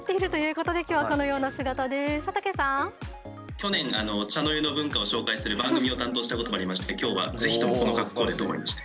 去年茶の湯の文化を紹介する番組を担当したこともありまして今日は是非ともこの格好でと思いまして。